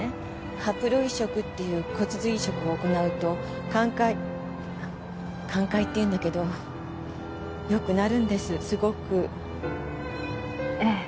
ハプロ移植っていう骨髄移植を行うと寛解あっ寛解っていうんだけどよくなるんですすごくええ